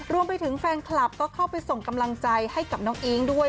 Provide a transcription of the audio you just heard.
รวมไปถึงแฟนคลับก็เข้าไปส่งกำลังใจให้กับน้องอิ๊งด้วย